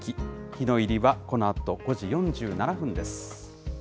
日の入りはこのあと５時４７分です。